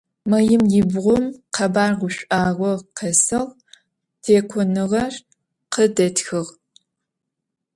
Maim yibğum khebar guş'uağo khesığ, têk'onığer khıdetxığ.